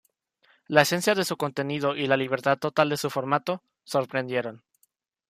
La esencia de su contenido y la libertad total de su formato, sorprendieron.